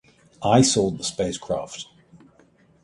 I saw the spacecraft.